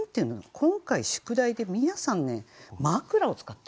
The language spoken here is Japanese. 今回宿題で皆さんね「枕」を使ってるんですよね。